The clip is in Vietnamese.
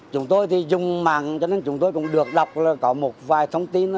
chúng tôi thì dùng mạng cho nên chúng tôi cũng được đọc là có một vài thông tin